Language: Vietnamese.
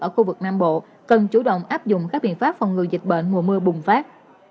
ở khu vực nam bộ cần chủ động áp dụng các biện pháp phòng ngừa dịch bệnh mùa mưa bùng phát